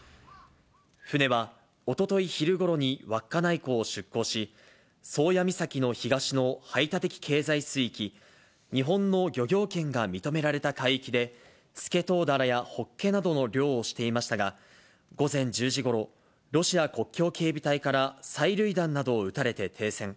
船はおととい昼ごろに稚内港を出港し、宗谷岬の東の排他的経済水域、日本の漁業権が認められた海域で、スケトウダラやホッケなどの漁をしていましたが、午前１０時ごろ、ロシア国境警備隊から催涙弾などを撃たれて停船。